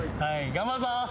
頑張るぞ。